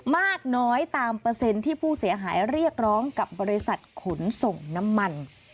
มากน้อยตามเปอร์เซ็นต์ที่ผู้เสียหายเรียกร้องกับบริษัทขนส่งน้ำมัน